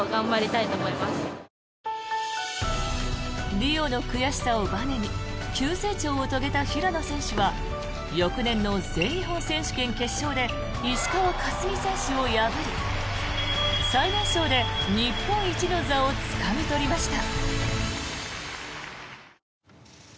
リオの悔しさをばねに急成長を遂げた平野選手は翌年の全日本選手権決勝で石川佳純選手を破り最年少で日本一の座をつかみ取りました。